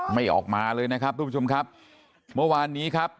ไม่ออกมาเลยนะครับทุกผู้ชมครับเมื่อวานนี้ครับ